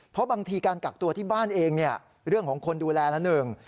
เพราะบางทีการกักตัวที่บ้านเองเนี่ยเรื่องของคนดูแลละหนึ่ง